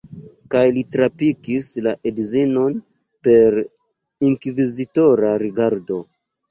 Kaj li trapikis la edzinon per inkvizitora rigardo.